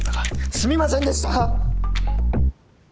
すみませんでした！